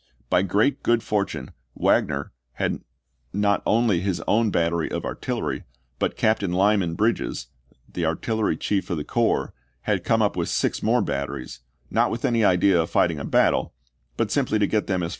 By great good fortune Wagner had not only his own battery of artillery, but Captain Lyman Bridges, the artillery chief of the corps, had come up with six more batteries, not with any idea of fight ing a battle, but simply to get them as far as pos Chap.